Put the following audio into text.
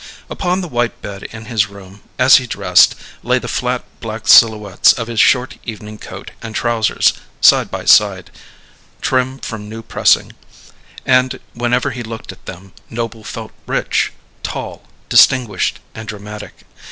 Upon the white bed in his room, as he dressed, lay the flat black silhouettes of his short evening coat and trousers, side by side, trim from new pressing; and whenever he looked at them Noble felt rich, tall, distinguished, and dramatic.